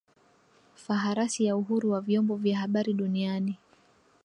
Faharasi ya uhuru wa vyombo vya habari duniani